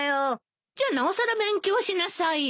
じゃあなおさら勉強しなさいよ。